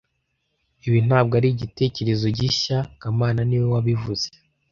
Ibi ntabwo ari igitekerezo gishya kamana niwe wabivuze